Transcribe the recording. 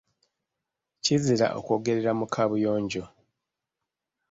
Kizira okwogerera mu kaabuyonjo.